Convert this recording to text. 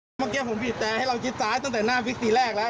เมื่อกี้ผมบีบแต่ให้เราชิดซ้ายตั้งแต่หน้าวิกทีแรกแล้ว